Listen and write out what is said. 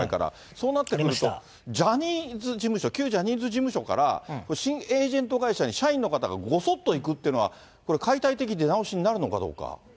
そうなってくると、ジャニーズ事務所、旧ジャニーズ事務所から新エージェント会社に社員の方がごそっと行くというのは、これ、解体的出直しになるのかどうか。